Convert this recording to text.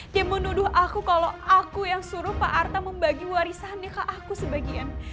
dia menuduh aku kalau aku yang suruh pak arta membagi warisannya ke aku sebagian